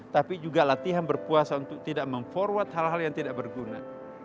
tapi juga latihan berpuasa untuk tidak mem forward hal hal yang tidak berguna